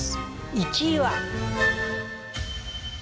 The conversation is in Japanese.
１位は。